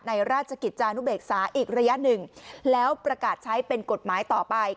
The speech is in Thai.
ราชกิจจานุเบกษาอีกระยะหนึ่งแล้วประกาศใช้เป็นกฎหมายต่อไป